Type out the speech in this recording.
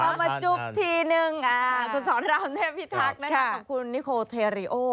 เอามาจุ๊บทีนึงคุณสอนรามเทพิทักษ์นะคะของคุณนิโคเทรีโอ